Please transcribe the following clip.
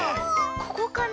ここかな？